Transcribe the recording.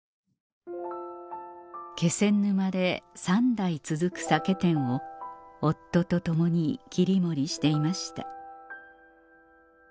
気仙沼で３代続く酒店を夫と共に切り盛りしていました